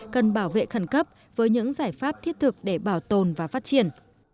cần bảo vệ khẩn cấp với những giải pháp thiết thực để bảo tồn và phát triển